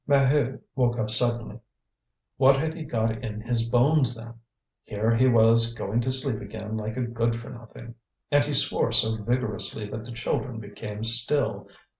Maheu woke up suddenly. What had he got in his bones, then? Here he was going to sleep again like a good for nothing. And he swore so vigorously that the children became still.